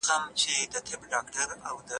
که انلاین لارښوونه وي نو خلګ نه وروسته پاته کیږي.